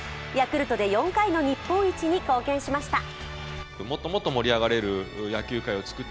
ヤクルトで４回の日本一に貢献しました。